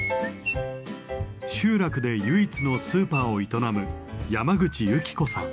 集落で唯一のスーパーを営む山口由紀子さん。